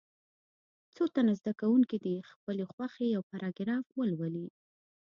څو تنه زده کوونکي دې د خپلې خوښې یو پاراګراف ولولي.